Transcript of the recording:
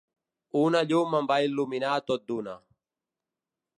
Una llum em va il·luminar tot d'una.